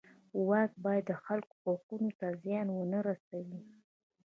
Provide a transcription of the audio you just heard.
واک باید د خلکو حقونو ته زیان ونه رسوي.